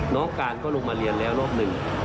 น้องการก็ลงมาเรียนแล้วรอบหนึ่ง